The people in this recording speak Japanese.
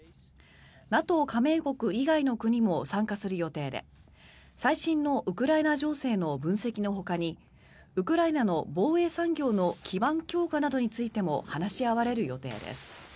ＮＡＴＯ加盟国以外の国も参加する予定で最新のウクライナ情勢の分析のほかにウクライナの防衛産業の基盤強化などについても話し合われる予定です。